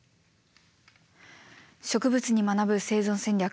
「植物に学ぶ生存戦略」。